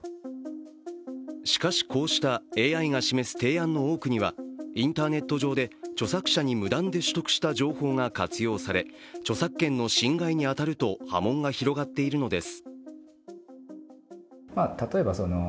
しかし、こうしたＡＩが示す提案の多くにはインターネット上で著作者に無断で取得した情報が活用され著作権の侵害に当たると波紋が広がっているのです。